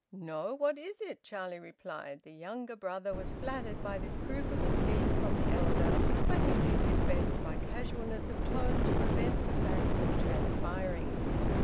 "No, what is it?" Charlie replied. The younger brother was flattered by this proof of esteem from the elder, but he did his best by casualness of tone to prevent the fact from transpiring.